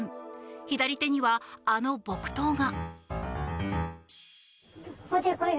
左手には、あの木刀が。